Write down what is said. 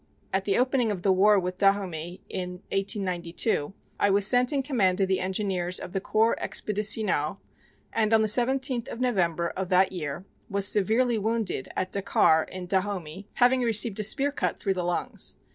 At the opening of the war with Dahomey in 1892, I was sent in command of the Engineers of the Corps Expeditional, and on the 17th of November of that year was severely wounded at Dakar in Dahomey, having received a spear cut through the lungs.